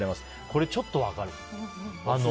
これ、ちょっと分かる。